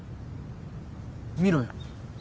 見ろよ